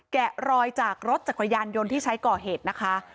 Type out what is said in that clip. แกะรอยจากรถจักรยานยนต์ที่ใช้ก่อเหตุนะคะ